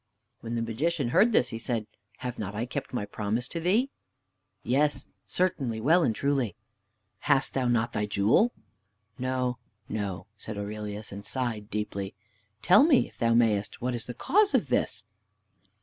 When the Magician heard this he said, "Have not I kept my promise to thee?" "Yes, certainly, well and truly!" "Hast thou not thy jewel?" "No, no," said Aurelius, and sighed deeply. "Tell me, if thou mayest, what is the cause of this?"